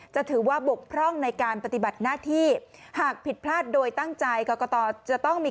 จะถือว่าบกพร่องในการปฏิบัติหน้าที่